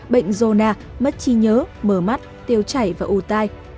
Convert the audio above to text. bệnh zona mất chi nhớ mờ mắt tiêu chảy và ưu tai